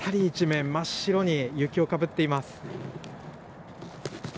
一面真っ白に雪をかぶっています。